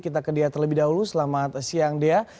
kita ke dea terlebih dahulu selamat siang dea